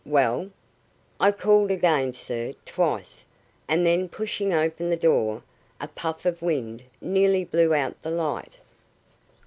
"Well?" "I called again, sir, twice; and then, pushing open the door, a puff of wind nearly blew out the light."